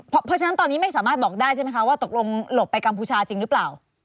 เพราะฉะนั้นตอนนี้ไม่สามารถบอกได้ใช่ไหมคะว่าตกลงหลบไปกัมพูชาจริงหรือเปล่า